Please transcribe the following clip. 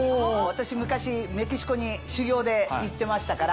私昔メキシコに修業で行ってましたから。